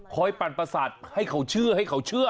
ปั่นประสาทให้เขาเชื่อให้เขาเชื่อ